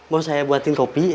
mau saya buatin kopi